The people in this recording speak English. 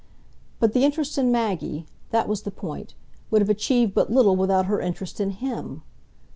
But the interest in Maggie that was the point would have achieved but little without her interest in HIM.